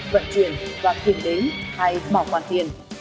vận chuyển và tiền đếm hay bảo quản tiền